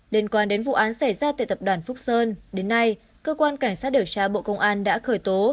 liên quan đến vụ án xảy ra tại tập đoàn phúc sơn đến nay cơ quan cảnh sát điều tra bộ công an đã khởi tố